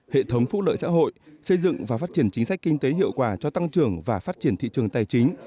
hệ thống phúc lợi xã hội xây dựng và phát triển chính sách kinh tế hiệu quả cho tăng trưởng và phát triển thị trường tài chính